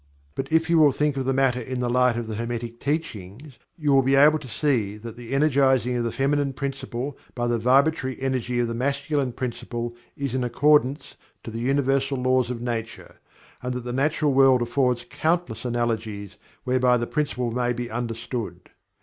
But if you will think of the matter in the light of the Hermetic Teachings you will be able to see that the energizing of the Feminine Principle by the Vibratory Energy of the Masculine Principle Is in accordance to the universal laws of nature, and that the natural world affords countless analogies whereby the principle may be understood.